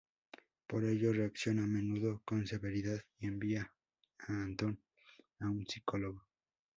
Por ello reacciona a menudo con severidad y envía a Anton a un psicólogo.